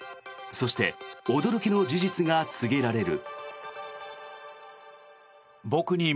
そして驚きの事実が告げられる。